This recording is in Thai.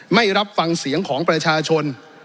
ไม่รับฟังเสียงของประชาชน